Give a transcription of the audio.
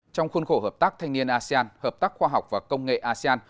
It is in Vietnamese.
trong khuôn khổ hợp tác thanh niên asean hợp tác khoa học và công nghệ asean